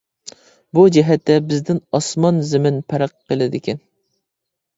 بۇ جەھەتتە بىزدىن ئاسمان زېمىن پەرق قىلىدىكەن.